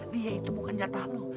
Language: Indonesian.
dia itu bukan jatah loh